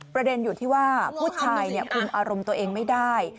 ประเด็นอยู่ที่ว่าผู้ชายคุมอารมณ์ตัวเองไม่ได้